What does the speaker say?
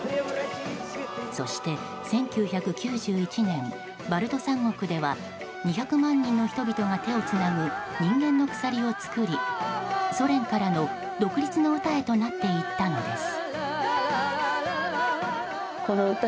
そして、１９９１年バルト三国では２００万人の人々が手をつなぐ人間の鎖を作りソ連からの独立の歌へとなっていったのです。